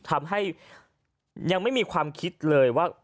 ทำให้ยังไม่มีความคิดเลยว่า